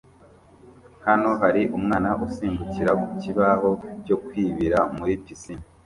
Hano hari umwana usimbukira ku kibaho cyo kwibira muri pisine